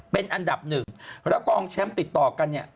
เป็นอันดับหนึ่งแล้วกองแชมป์ติดต่อกันเนี่ย